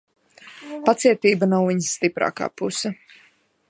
Pacietība nav viņas stiprākā puse.